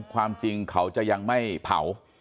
ความจริงเขาจะยังไม่เผา